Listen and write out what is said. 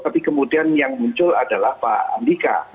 tapi kemudian yang muncul adalah pak andika